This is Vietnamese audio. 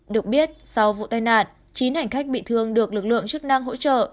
được biết sau vụ tai nạn chín hành khách bị thương được lực lượng chức năng hỗ trợ